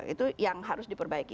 itu yang harus diperbaiki